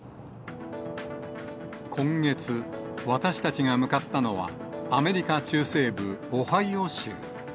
今月、私たちが向かったのは、アメリカ中西部オハイオ州。